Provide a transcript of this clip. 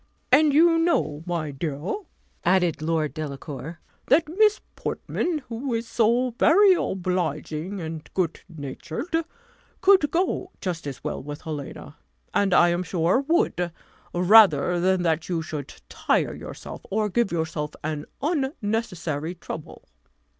"And you know, my dear," added Lord Delacour, "that Miss Portman, who is so very obliging and good natured, could go just as well with Helena; and I am sure, would, rather than that you should tire yourself, or give yourself an unnecessary trouble."